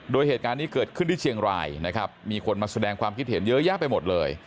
โดยเหตุการณ์นี้เกิดขึ้นที่เชียงรายนะครับมีคนมาแสดงความคิดเห็นเยอะแยะไปหมดเลย